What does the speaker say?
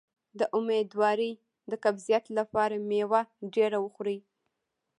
د امیدوارۍ د قبضیت لپاره میوه ډیره وخورئ